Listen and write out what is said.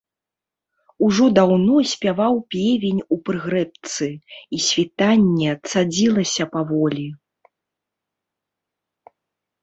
Ужо даўно спяваў певень у прыгрэбцы, і світанне цадзілася паволі.